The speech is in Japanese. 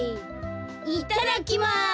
いただきます！